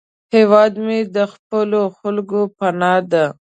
هیواد مې د خپلو خلکو پناه ده